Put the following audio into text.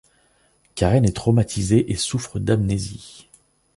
Karen est traumatisée et souffre d'amnésie.